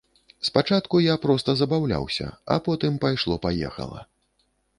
Спачатку я проста забаўляўся, а потым пайшло-паехала.